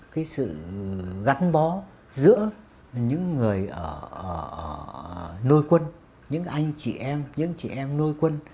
cái sự gắn bó giữa những người nuôi quân những anh chị em những chị em nuôi quân